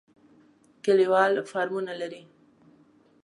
کلیوال فارمونه لري.